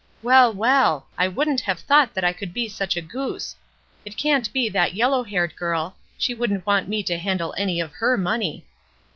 Well, well! I wouldn't have thought that I could be such a goose. It can't be that yellow haired girl — she wouldn't want me to handle any of her money.